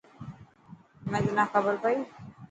همي تنا کبر پئي.